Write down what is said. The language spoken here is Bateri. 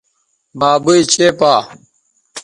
بابئ چےپا